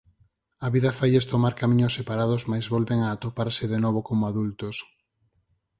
A vida failles tomar camiños separados mais volven a atoparse de novo como adultos.